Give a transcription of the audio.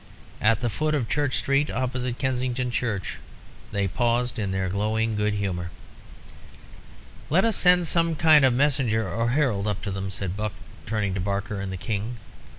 At the foot of Church Street, opposite Kensington Church, they paused in their glowing good humour. "Let us send some kind of messenger or herald up to them," said Buck, turning to Barker and the King.